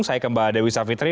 saya ke mbak dewi savitri